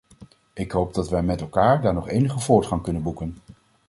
Ik hoop dat wij met elkaar daar nog enige voortgang kunnen boeken.